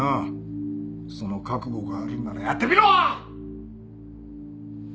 その覚悟があるんならやってみろ！